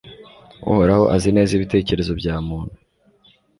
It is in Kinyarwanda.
Uhoraho azi neza ibitekerezo bya muntu